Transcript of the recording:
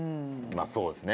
まあそうですね。